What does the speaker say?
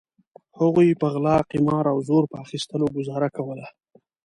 هغوی په غلا قمار او زور په اخیستلو ګوزاره کوله.